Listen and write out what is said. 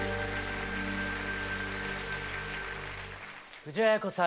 藤あや子さん